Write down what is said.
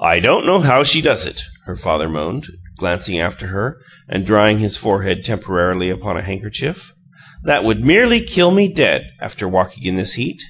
"I don't know how she does it!" her father moaned, glancing after her and drying his forehead temporarily upon a handkerchief. "That would merely kill me dead, after walking in this heat."